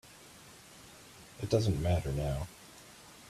It doesn't matter now.